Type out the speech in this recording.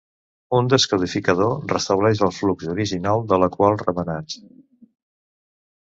Un descodificador restableix el flux original de la qual remenats.